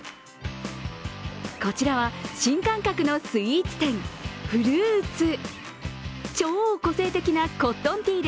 こちらは新感覚のスイーツ展、フルーーツ！